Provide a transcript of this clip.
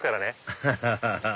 アハハハ